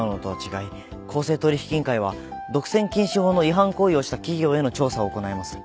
公正取引委員会は独占禁止法の違反行為をした企業への調査を行います。